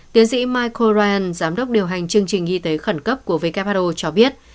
tiến sĩ miko ryan giám đốc điều hành chương trình y tế khẩn cấp của who cho biết